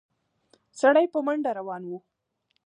سړی په منډه روان و.